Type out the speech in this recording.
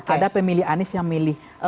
ada pemilih anies yang milih